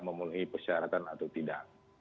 memenuhi persyaratan atau tidak